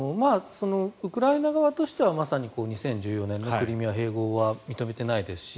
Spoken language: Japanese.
ウクライナ側としてはまさに２０１４年のクリミア併合は認めていないですし